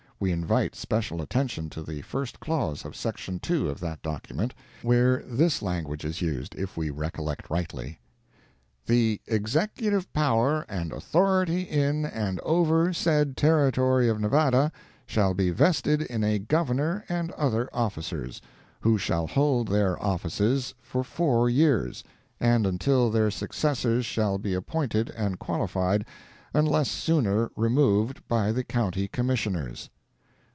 We invite special attention to the fist clause of section 2 of that document, where this language is used, if we recollect rightly: "The executive power and authority in and over said Territory of Nevada shall be vested in a Governor and other officers, who shall hold their offices for four years, and until their successors shall be appointed and qualified, unless sooner removed by the County Commissioners."